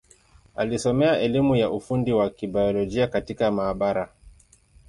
Alisomea elimu ya ufundi wa Kibiolojia katika maabara.